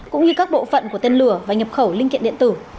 cũng như các bộ phận của tên lửa và nhập khẩu linh kiện điện tử